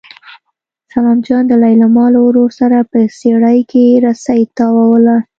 سلام جان د لېلما له ورور سره په څېړۍ کې رسۍ تاووله.